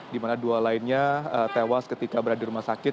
di mana dua lainnya tewas ketika berada di rumah sakit